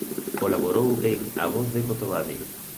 Colaborou en "A Voz de Cotobade".